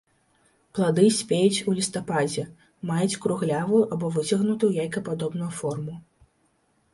Плады спеюць у лістападзе, маюць круглявую або выцягнутую яйкападобную форму.